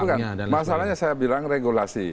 bukan masalahnya saya bilang regulasi